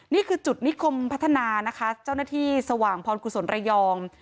นี่คือจุดนิคมพัฒนานะคะเจ้าหน้าที่สว่างพรกุศลระยอง